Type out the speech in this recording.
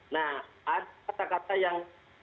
nah ada kata kata yang